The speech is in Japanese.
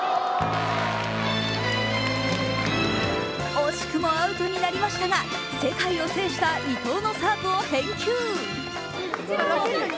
惜しくもアウトになりましたが、世界を制した伊藤のサーブを返球。